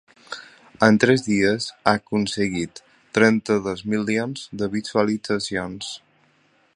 En tres dies ha aconseguit trenta-dos milions de visualitzacions.